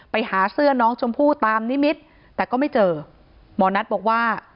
ไปหาเสื้อน้องชมพู่ตามนิมิตรแต่ก็ไม่เจอหมอนัทบอกว่า